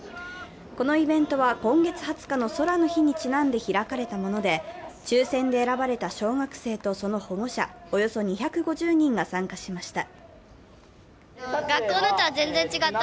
このイベントは今月２０日の空の日にちなんで開かれたもので、抽選で選ばれた小学生とその保護者、およそ２５０人が参加しました。